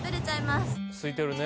すいてるね。